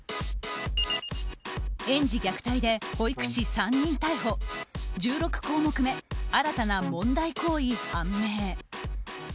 園児虐待で保育士３人逮捕１６項目目、新たな問題行為判明。